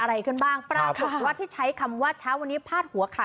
อะไรขึ้นบ้างปรากฏว่าที่ใช้คำว่าเช้าวันนี้พาดหัวข่าว